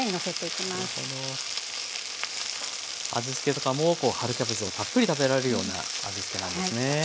味付けとかも春キャベツをたっぷり食べられるような味付けなんですね。